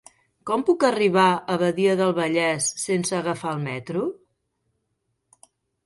Com puc arribar a Badia del Vallès sense agafar el metro?